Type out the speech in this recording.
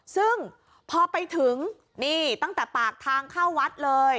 ซึ่งพอไปถึงนี่ตั้งแต่ปากทางเข้าวัดเลย